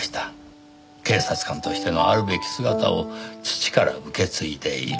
警察官としてのあるべき姿を父から受け継いでいる。